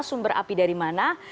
sumber api dari mana